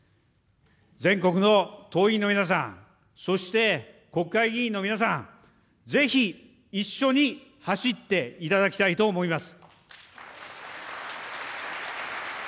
全国の党員の皆さん、そして国会議員の皆さん、ぜひ一緒に走っていただきたいと思います。